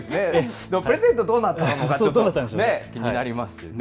でもプレゼントどうなったのか気になりますね。